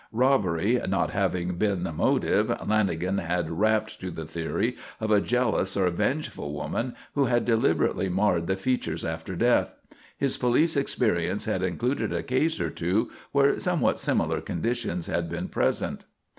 Robbery not having been the motive, Lanagan had "rapped" to the theory of a jealous or vengeful woman who had deliberately marred the features after death. His police experience had included a case or two where somewhat similar conditions had been present.